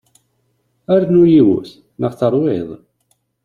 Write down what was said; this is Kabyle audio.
Rnu yiwet, neɣ terwiḍ?